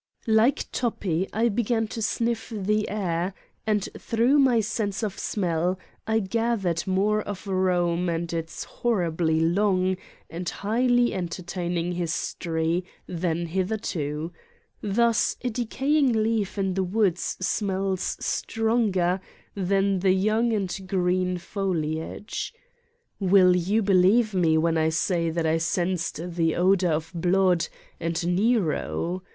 Like Toppi I began to sniff the air and through my sense of smell I gathered more of Eome and its horribly long and highly entertaining history than hitherto: thus a decaying leaf in the woods smells stronger than the young and green foliage. Will you believe me when I say that I sensed the odor of blood and Nero?